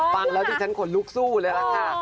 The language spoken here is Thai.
ฟังแล้วดิฉันขนลุกสู้เลยล่ะค่ะ